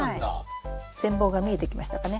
全貌が見えてきましたかね。